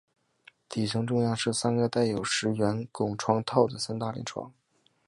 底层中央是三个带有石圆拱窗套的三联大窗。